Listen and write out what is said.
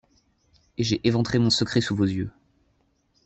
Et j’ai éventré mon secret sous vos yeux.